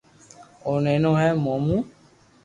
او نينو ھي مون مون